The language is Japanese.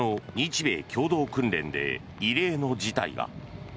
しかしこの日米共同訓練で異例の事態が。